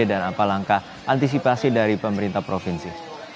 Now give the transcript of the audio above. dan apa langkah antisipasi dari pemerintah provinsi